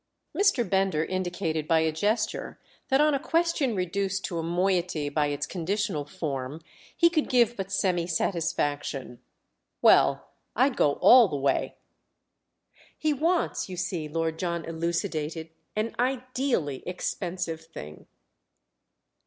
Mr. Bender indicated by a gesture that on a question reduced to a moiety by its conditional form he could give but semi satisfaction. "Well, I'd go all the way." "He wants, you see," Lord John elucidated, "an ideally expensive thing."